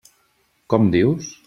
Com dius?